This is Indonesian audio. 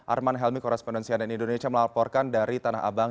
arman helmi koresponden cnn indonesia melaporkan dari tanah abang